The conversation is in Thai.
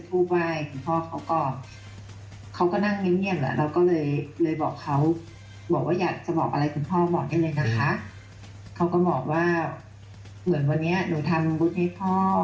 ทุกครั้งค่ะขอให้พ่อมีความสุข